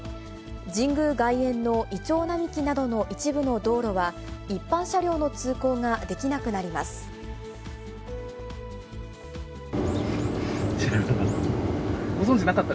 神宮外苑のいちょう並木などの一部の道路は、一般車両の通行がで知らなかった。